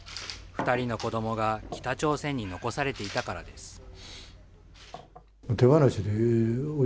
２人の子どもが北朝鮮に残されていたからです。